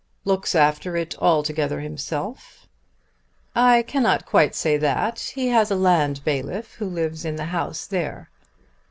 "Looks after it altogether himself?" "I cannot quite say that. He has a land bailiff who lives in the house there."